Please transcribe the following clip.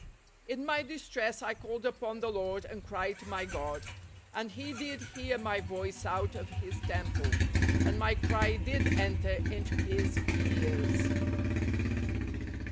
" In my dist ress I called upon the Lord, and cried to my God: and He did hear my voice out of His temple, and my cry did enter into His ears."